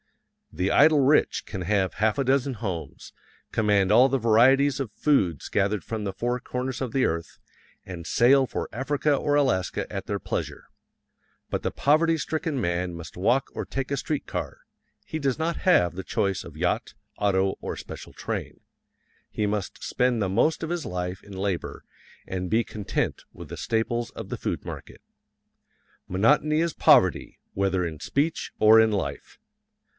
The "idle rich" can have half a dozen homes, command all the varieties of foods gathered from the four corners of the earth, and sail for Africa or Alaska at their pleasure; but the poverty stricken man must walk or take a street car he does not have the choice of yacht, auto, or special train. He must spend the most of his life in labor and be content with the staples of the food market. Monotony is poverty, whether in speech or in life.